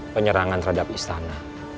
penyerangan terhadap istana